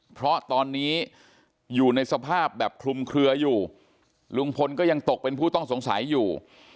เพราะตอนนี้อยู่ในสภาพแบบคลุมเคลืออยู่ลุงพลก็ยังตกเป็นผู้ต้องสงสัยอยู่